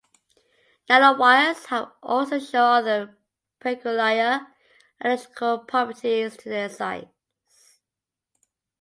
Nanowires also show other peculiar electrical properties due to their size.